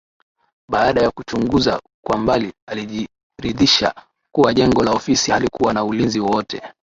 Baada ya kuchunguza kwa mbali alijiridhisha kuwa jengo la ofisi halikuwa na ulinzi wowote